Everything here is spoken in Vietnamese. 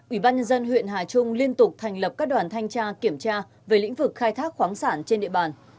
ủy ban nhân dân huyện hà trung liên tục thành lập các đoàn thanh tra kiểm tra về lĩnh vực khai thác khoáng sản trên địa bàn